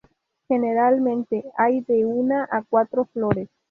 Generalmente hay de una a cuatro flores.